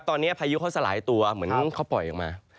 ตอนนี้พายุเขาสลายตัวเหมือนเขาปล่อยออกมา